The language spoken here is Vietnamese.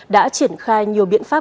đã triển khai nhiều biện pháp